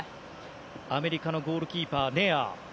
アメリカのゴールキーパーネアー。